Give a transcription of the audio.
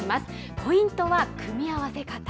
ポイントは組み合わせ方。